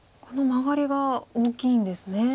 このマガリが大きいんですね。